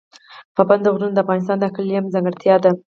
پابندی غرونه د افغانستان د اقلیم ځانګړتیا ده.